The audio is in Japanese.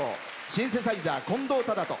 シンセサイザー、近藤斉人。